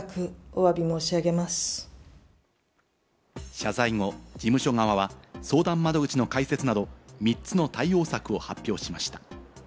謝罪後、事務所側は相談窓口の開設など、３つの対応策を発表しました。